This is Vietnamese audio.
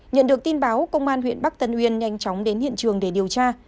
nhận được tin báo công an huyện bắc tân uyên nhanh chóng đến hiện trường để điều tra